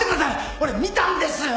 俺見たんですよ。